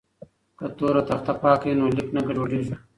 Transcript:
که تور تخته پاکه وي نو لیک نه ګډوډیږي.